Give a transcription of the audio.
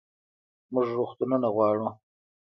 موږ روغتونونه غواړو